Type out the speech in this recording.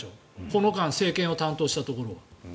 この間政権を担当したところは。